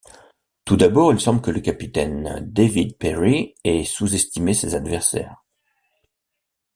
Tout d'abord, il semble que le capitaine David Perry ait sous-estimé ses adversaires.